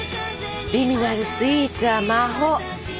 美味なるスイーツは魔法。